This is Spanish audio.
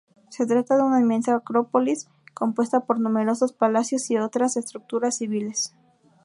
Se trata de una inmensa acrópolis, compuesta por numerosos palacios y otras estructuras civiles.